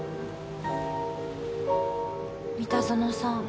三田園さん